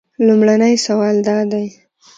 لومړنی سوال دا دی.